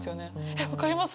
えっ分かります？